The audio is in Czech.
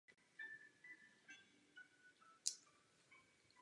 Následoval povinný odvod k výkonu základní vojenské služby.